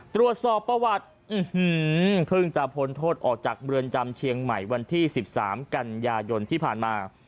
ตรวจสอบประวัติเพิ่งจะพ้นโทษออกจากเมืองจำเชียงใหม่วันที่๑๓กันยายนที่ผ่านมา